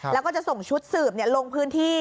แล้วก็จะส่งชุดสืบลงพื้นที่